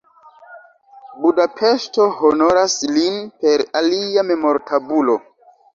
Budapeŝto honoras lin per alia memortabulo.